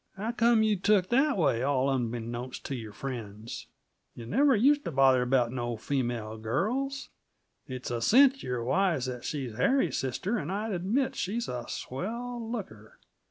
How comes it you're took that way, all unbeknown t' your friends? Yuh never used t' bother about no female girls. It's a cinch you're wise that she's Harry's sister; and I admit she's a swell looker.